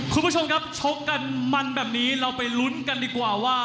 คุณผู้ชมครับชกกันมันแบบนี้เราไปลุ้นกันดีกว่าว่า